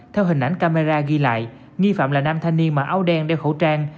theo hình ảnh camera ghi lại nghi phạm là nam thanh niên mặc áo đen đeo khẩu trang